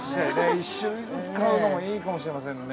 １種類ずつ買うのもいいかもしれませんね。